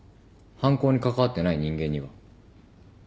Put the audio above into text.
犯行に関わってない人間には。